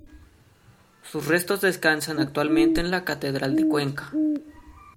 Sus restos descansan actualmente en la catedral de Cuenca.